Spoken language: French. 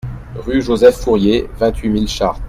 Rue Joseph Fourier, vingt-huit mille Chartres